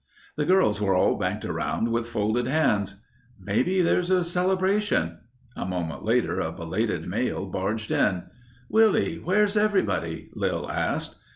The girls were all banked around with folded hands. "Maybe there's a celebration...." A moment later a belated male barged in. "Willie, where's everybody?" Lil asked.